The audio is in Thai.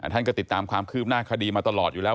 ท่านก็ติดตามความคืบหน้าคดีมาตลอดอยู่แล้ว